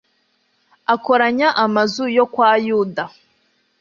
akoranya amazu yo kwa yuda